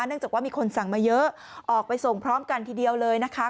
จากว่ามีคนสั่งมาเยอะออกไปส่งพร้อมกันทีเดียวเลยนะคะ